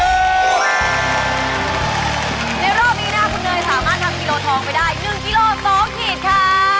สามารถทำกิโลทองไปได้๑กิโล๒ขีดค่ะ